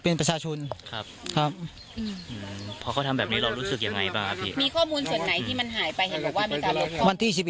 าปรัศชาติต่อครับเพราะว่าให้เลี่ยวรู้สึกยังไงบ้างมีข้อมูลเป็นไหนที่มันหายไป